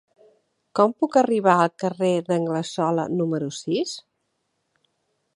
Com puc arribar al carrer d'Anglesola número sis?